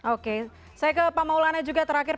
oke saya ke pak maulana juga terakhir